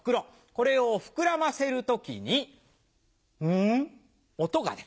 これを膨らませる時にムン音が出る。